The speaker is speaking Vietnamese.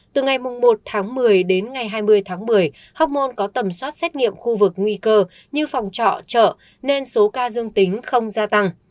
từ ngày một tháng một mươi đến ngày hai mươi tháng một mươi hò môn có tầm soát xét nghiệm khu vực nguy cơ như phòng trọ chợ nên số ca dương tính không gia tăng